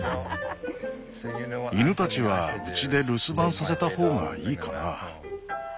犬たちはうちで留守番させた方がいいかな？